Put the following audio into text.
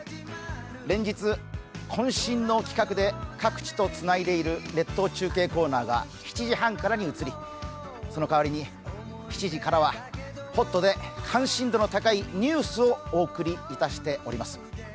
連日、渾身の企画で各地とつないでいる列島中継コーナーが７時半からに移り、その代わりに７時からはホットで関心度の高いニュースをお送りいたしております。